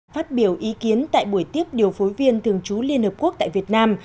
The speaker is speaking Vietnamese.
phát biểu ý kiến tại buổi tiếp điều phối viên thường trú liên hợp quốc tại việt nam